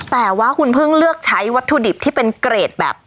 แต่ว่าคุณเพิ่งเลือกใช้วัตถุดิบที่เป็นเกรดแบบ